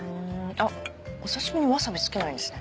あっお刺し身にワサビつけないんですね。